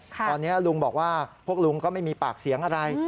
ตอนนี้ลุงบอกว่าพวกลุงก็ไม่มีปากเสียงอะไร